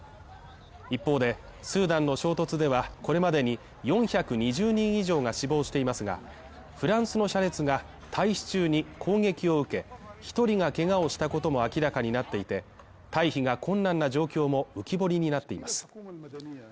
一方で、スーダンの衝突では、これまでに４２０人以上が死亡していますがフランスの車列が退避中に攻撃を受け、１人がけがをしたことも明らかになっていて、退避が困難な状況も浮き彫りになっています。